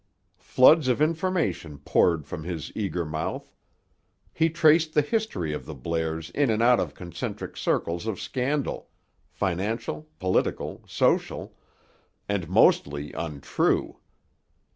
Floods of information poured from his eager mouth. He traced the history of the Blairs in and out of concentric circles of scandal; financial, political, social—and mostly untrue.